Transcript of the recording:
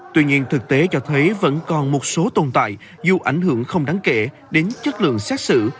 tuy nhiên thực tế cho thấy vẫn còn một số tồn tại dù ảnh hưởng không đáng kể đến chất lượng xét xử